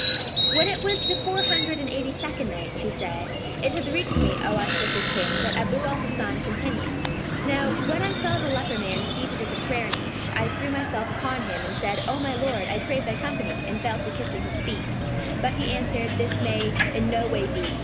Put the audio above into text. When it was the Four Hundred and Eighty second Night, She said, It hath reached me, O auspicious King, that Abu al Hasan continued: "Now when I saw the leper man seated in the prayer niche, I threw myself upon him and said, 'O my lord, I crave thy company;' and fell to kissing his feet. But he answered, 'This may in no way be!'